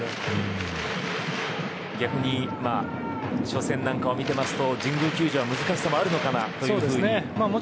逆に初戦なんかを見てますと神宮球場は難しさもあるのかなというふうに。